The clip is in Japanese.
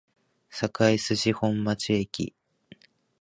堺筋本町駅